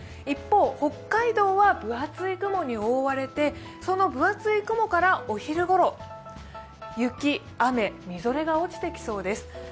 一方、北海道は分厚い雲に覆われてその分厚い雲からお昼ごろ、雪、雨、みぞれが落ちてきそうです。